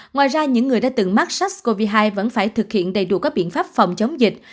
ngoài ra những người đã từng mắc sars cov hai vẫn phải thực hiện đầy đủ các biện pháp phòng chống dịch